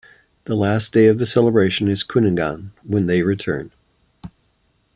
The last day of the celebration is Kuningan, when they return.